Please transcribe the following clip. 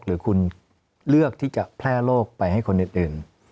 หรือคุณเลือกที่จะแพร่โรคไปให้คนอื่น